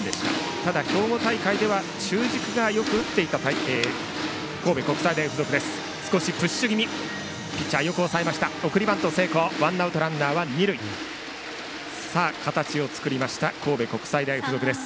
ただ、兵庫大会では中軸がよく打っていた神戸国際大付属です。